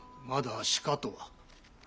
まだしかとは。